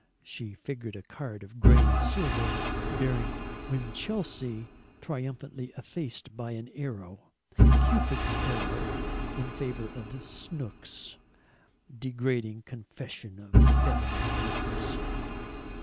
She figured a card of grey and silver bearing "Winchelsea," triumphantly effaced by an arrow, Cupid's arrow, in favour of "Snooks." Degrading confession of feminine weakness!